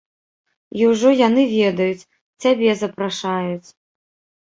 І ўжо яны ведаюць, цябе запрашаюць.